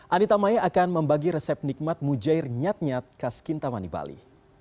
anita maya akan membagi resep nikmat mujair nyat nyat khas kintamani bali